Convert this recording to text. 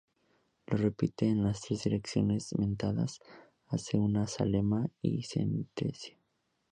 lo repite en las tres direcciones mentadas, hace una zalema y desciende